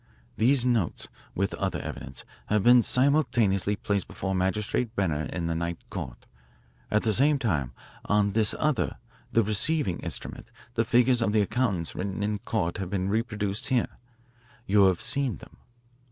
These notes, with other evidence, have been simultaneously placed before Magistrate Brenner in the night court. At the same time, on this other, the receiving, instrument the figures of the accountants written in court have been reproduced here. You have seen them.